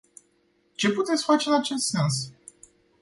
Ce puteți face în acest sens?